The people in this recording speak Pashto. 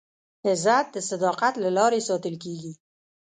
عزت د صداقت له لارې ساتل کېږي.